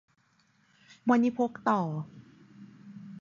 วณิพกต่อ